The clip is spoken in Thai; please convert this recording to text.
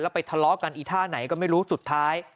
ไปทะเลาะกันอีท่าไหนก็ไม่รู้สุดท้าย